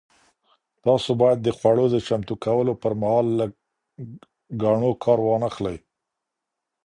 تاسو باید د خوړو د چمتو کولو پر مهال له ګاڼو کار ونه اخلئ.